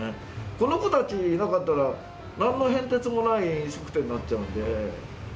この子たちいなかったら、なんの変哲もない飲食店になっちゃうんで。